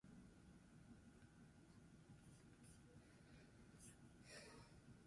Gainera, telelana gomendatu dute eta bidaiatzeko debekua mantendu dute.